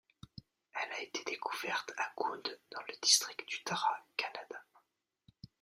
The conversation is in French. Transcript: Elle a été découverte à Gund dans le district d'Uttara Kannada.